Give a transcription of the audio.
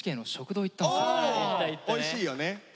おいしいよね。